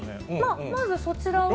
まずそちらは。